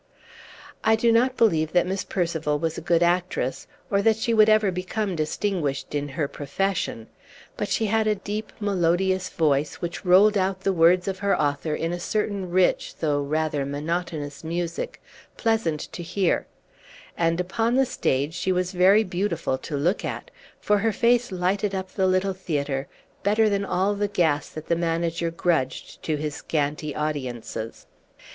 I do not believe that Miss Percival was a Page 6 good actress, or that she would ever become distinguished in her profession; but she had a deep, melodious voice, which rolled out the words of her author in a certain rich though rather monotonous music, pleasant to hear; and upon the stage she was very beautiful to look at, for her face lighted up the little theatre better than all the gas that the manager grudged to his scanty audiences.